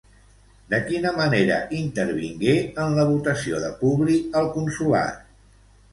De quina manera intervingué en la votació de Publi al consolat?